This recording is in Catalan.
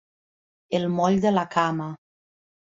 El moll de la cama.